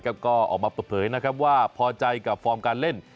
ก็ออกมาเปิดเผยนะครับว่าพอใจกับฟอร์มการเล่น